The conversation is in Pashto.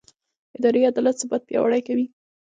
اداري عدالت ثبات پیاوړی کوي